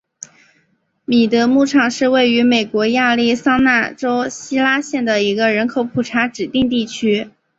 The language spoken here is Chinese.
米德牧场是位于美国亚利桑那州希拉县的一个人口普查指定地区。